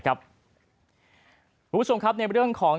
คุณผู้ชมครับในเรื่องของ